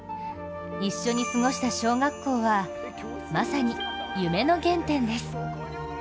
一緒に過ごした小学校はまさに、夢の原点です。